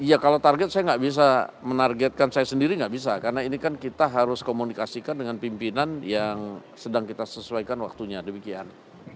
iya kalau target saya nggak bisa menargetkan saya sendiri nggak bisa karena ini kan kita harus komunikasikan dengan pimpinan yang sedang kita sesuaikan waktunya demikian